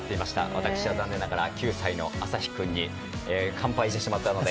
私は残念ながら９歳のアサヒ君に完敗してしまったので。